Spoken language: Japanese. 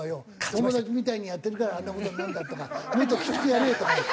「友達みたいにやってるからあんな事になるんだ」とか「もっときつくやれ」とか。